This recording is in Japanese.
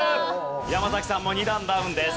山崎さんも２段ダウンです。